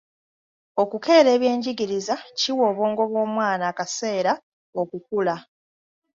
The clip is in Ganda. Okukeera ebyenjigiriza kiwa obwongo bw'omwana akaseera okukula.